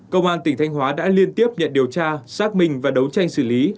công an tỉnh thanh hóa đã liên tiếp nhận điều tra xác minh và đấu tranh xử lý